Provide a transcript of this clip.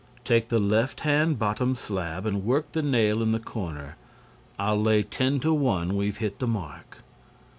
Take the left hand bottom slab and work the nail in the corner: I'll lay ten to one we've hit the mark."